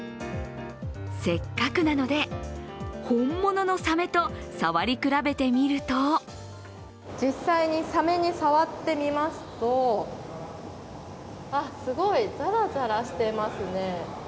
せっかくなので、本物のさめと触り比べてみると実際にさめに触ってみますとあっ、すごい、ザラザラしていますね。